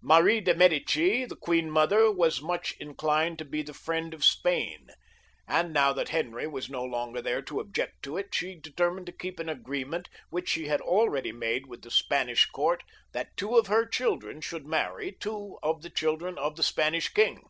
Mary of Medicis, the queen mother, was, as I have said, much inclined to be the friend of Spain, and now that Henry was no longer there to object to it, she deter mined to keep an agreement which she had already made with the Spanish courts that two of her children should marry two of the children of the Spanish king.